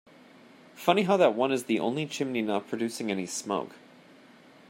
Funny how that one is the only chimney not producing any smoke.